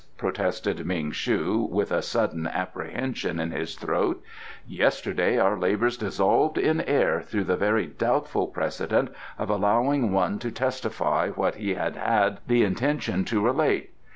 protested Ming shu, with a sudden apprehension in his throat, "yesterday our labours dissolved in air through the very doubtful precedent of allowing one to testify what he had had the intention to relate.